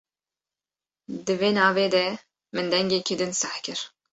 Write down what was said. Di vê navê de min dengekî din seh kir.